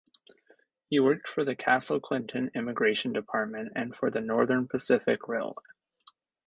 He worked for the Castle Clinton Immigration Department and for the Northern Pacific Railway.